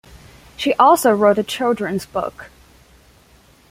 She also wrote a children's book.